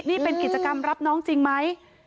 นี่เป็นกิจกรรมรับน้องจริงไหม